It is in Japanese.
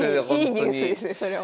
いいニュースですねそれは。